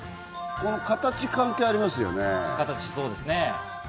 形、関係ありますよね？